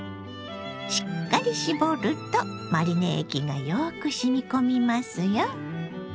しっかり絞るとマリネ液がよくしみこみますよ。